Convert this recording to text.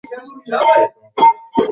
কেউ তোমাকে এখানে চায় না।